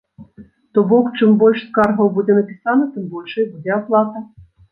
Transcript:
То бок, чым больш скаргаў будзе напісана, тым большай будзе аплата.